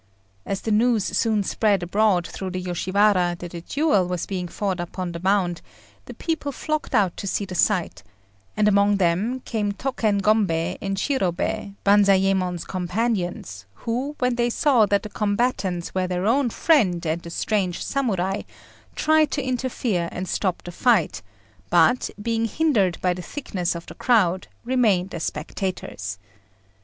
As the news soon spread abroad through the Yoshiwara that a duel was being fought upon the Mound, the people flocked out to see the sight; and among them came Tôken Gombei and Shirobei, Banzayémon's companions, who, when they saw that the combatants were their own friend and the strange Samurai, tried to interfere and stop the fight, but, being hindered by the thickness of the crowd, remained as spectators.